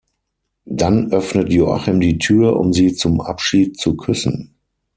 Dann öffnet Joachim die Tür, um sie zum Abschied zu küssen.